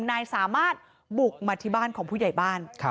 นายสามารถบุกมาที่บ้านของผู้ใหญ่บ้าน